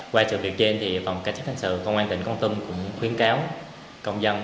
qua sự việc trên thì phòng cảnh sát thành sự công an tỉnh con tum cũng khuyến cáo công dân